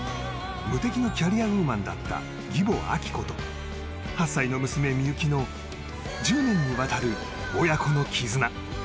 無敵のキャリアウーマンだった義母・亜希子と８歳の娘・みゆきの１０年にわたる親子の絆